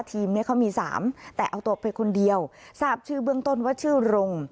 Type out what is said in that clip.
ทีมเนี่ยเขามี๓แต่เอาตัวไปคนเดียวทราบชื่อเบื้องต้นว่าชื่อรง